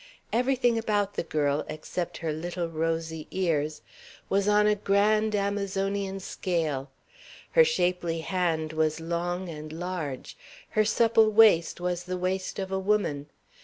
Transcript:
Everything about the girl except her little rosy ears was on a grand Amazonian scale. Her shapely hand was long and large; her supple waist was the waist of a woman.